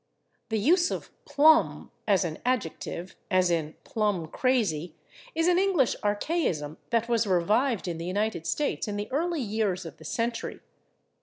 The use of /plumb/ as an adjective, as in /plumb crazy/, is an English archaism that was revived in the United States in the early years of the century.